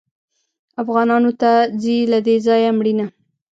افغانانو ته ځي له دې ځایه مړینه